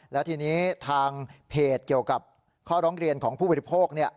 แล้วทีนี้ทางเพจเกี่ยวกับข้อร้องเรียนของผู้บริโภค